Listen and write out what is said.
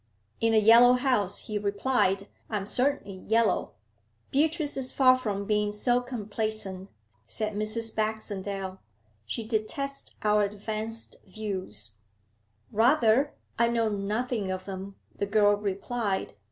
'In a Yellow house,' he replied, 'I am certainly Yellow.' 'Beatrice is far from being so complaisant,' said Mrs. Baxendale. 'She detests our advanced views.' 'Rather, I know nothing of them,' the girl replied.